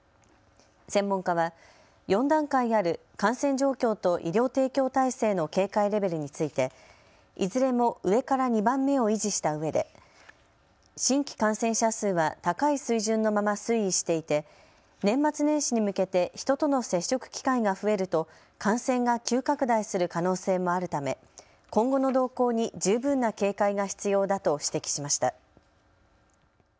専門家は４段階ある感染状況と医療提供体制の警戒レベルについていずれも上から２番目を維持したうえで、新規感染者数は高い水準のまま推移していて年末年始に向けて人との接触機会が増えると感染が急拡大する可能性もあるため今後の動向に十分な警戒が必要だと指摘しました。